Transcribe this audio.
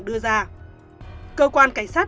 đưa ra cơ quan cảnh sát